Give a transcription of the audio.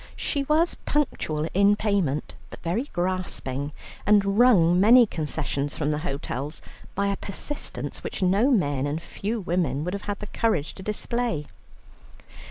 She was punctual in payment, but very grasping, and wrung many concessions from the hotels by a persistence which no men and few women would have had the courage to display.